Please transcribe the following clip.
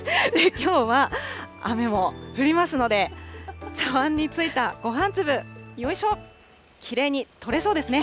きょうは雨も降りますので、茶わんについたごはん粒、よいしょ、きれいに取れそうですね。